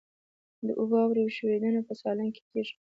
د واورې ښویدنه په سالنګ کې کیږي